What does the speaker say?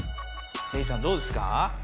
せいじさんどうですか？